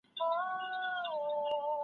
ډېر له کیبره څخه ګوري و هوا ته